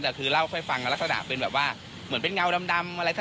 แต่คือเล่าค่อยฟังลักษณะเป็นแบบว่าเหมือนเป็นเงาดำอะไร